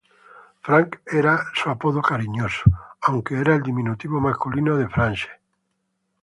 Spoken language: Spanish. Frank era su apodo cariñoso, aunque era el diminutivo masculino de Frances.